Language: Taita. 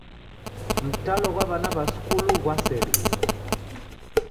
Mtalo ghwa w'ana w'a skulu ghwaserie.